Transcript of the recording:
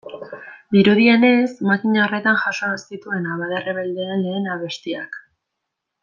Dirudienez, makina horretan jaso zituen abade errebeldeen lehen abestiak.